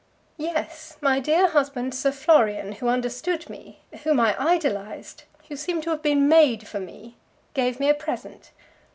"Yes, my dear husband, Sir Florian, who understood me, whom I idolized, who seemed to have been made for me, gave me a present.